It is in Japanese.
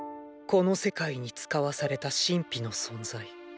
この世界に遣わされた神秘の存在。